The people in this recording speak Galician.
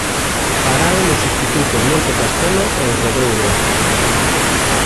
Farao nos institutos Monte Castelo e o Pedouro.